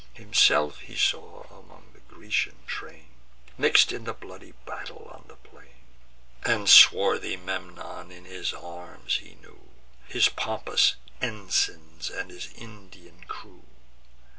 Himself he saw amidst the Grecian train, Mix'd in the bloody battle on the plain; And swarthy Memnon in his arms he knew, His pompous ensigns, and his Indian crew.